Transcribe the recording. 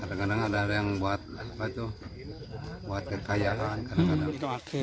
kadang kadang ada yang buat kekayaan